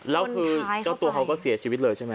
แล้วคือเจ้าตัวเขาก็เสียชีวิตเลยใช่ไหม